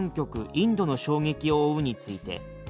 インドの衝撃を追う」について。